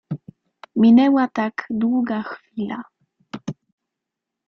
"Minęła tak długa chwila."